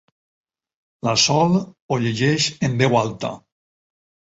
La Sol ho llegeix en veu alta.